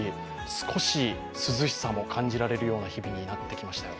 少し涼しさも感じられるような日々になってきましたよ。